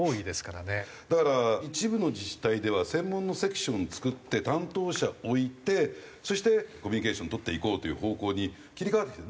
だから一部の自治体では専門のセクション作って担当者置いてそしてコミュニケーション取っていこうという方向に切り替わってきてる。